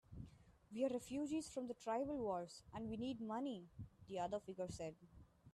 "We're refugees from the tribal wars, and we need money," the other figure said.